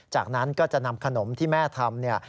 จากนั้นก็จะนำขนมที่แม่ทำเนี่ย